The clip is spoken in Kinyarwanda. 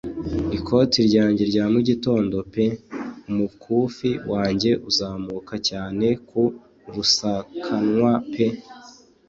Ikoti ryanjye rya mugitondo pe umukufi wanjye uzamuka cyane ku rusakanwa pe